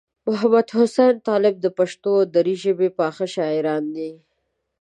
محمدحسین طالب د پښتو او دري ژبې پاخه شاعران دي.